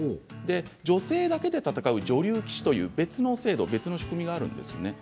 女性だけで戦う女流棋士という別の制度別の仕組みがあるんです。